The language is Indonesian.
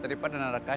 karena kemunafikan ini